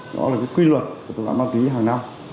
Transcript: đó là cái quy luật của tội phạm ma túy hàng năm